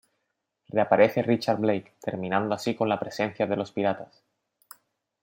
Reaparece Richard Blake, terminando así con la presencia de los piratas.